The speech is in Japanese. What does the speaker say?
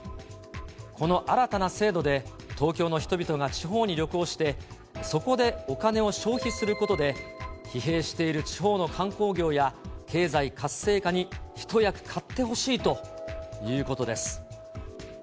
この新たな制度で、東京の人々が地方に旅行して、そこでお金を消費することで、疲弊している地方の観光業や、経済活性化に一役買ってほしいということです。